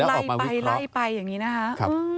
และออกมาวิเคราะห์